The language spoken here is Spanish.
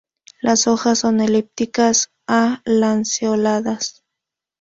Las hojas son elípticas a lanceoladas.